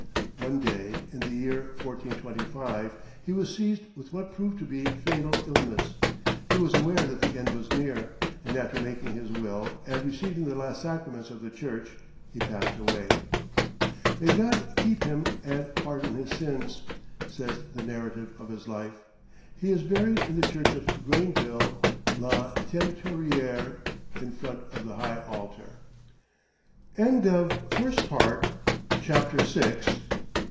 One day in the year 1425 he was seized with what proved to be fatal illness; he was aware that the end was near; and after making his will and receiving the last sacraments of the church he passed away. "May God keep him and pardon his sins," says the narrative of his life; "he is buried in the church of Grainville la Teinturière, in front of the high altar." [Illustration: Jean de Béthencourt makes his will.] CHAPTER VII.